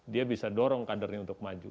dia bisa dorong kadernya untuk maju